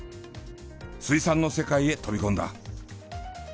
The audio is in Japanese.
水産の世界へ飛び込んだ。